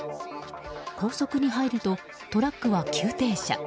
高速に入るとトラックは急停車。